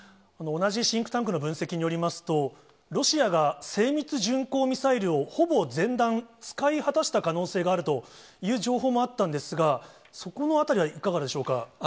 同じシンクタンクの分析によりますと、ロシアが精密巡航ミサイルをほぼ全弾使い果たした可能性があるという情報もあったんですが、そこのあたりはいかがでしょうか。